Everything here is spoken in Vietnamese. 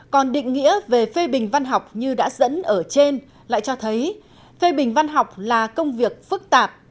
còn định nghĩa về phê bình văn học như đã dẫn ở trên lại cho thấy phê bình văn học là công việc phức tạp